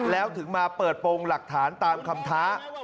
แล้วถึงมาเปิดโปรงหลักฐานตามคำท้า